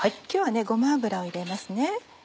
今日はごま油を入れますね。